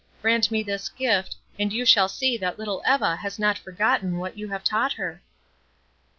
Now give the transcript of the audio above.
Grant me this gift, and you shall see that little Eva has not forgotten what you have taught her."